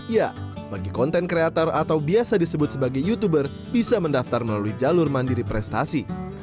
ya bagi konten kreator atau biasa disebut sebagai youtuber bisa mendaftar melalui jalur mandiri prestasi